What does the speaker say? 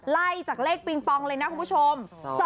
ไล่จากเลขปิงปองเลยนะคุณผู้ชม